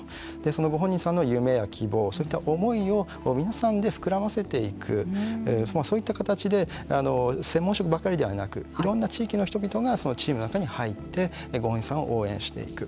そのご本人さんの夢や希望そういった思いを皆さんで膨らませていくそういった形で専門職ばかりではなくいろんな地域の人々がそのチームの中に入ってご本人さんを応援していく。